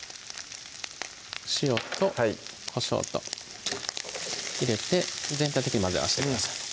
塩とこしょうと入れて全体的に混ぜ合わしてください